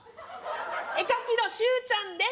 絵描きのしゅうちゃんです